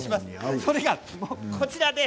それが、こちらです。